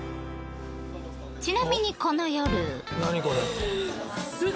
ちなみに、この夜長嶋：何？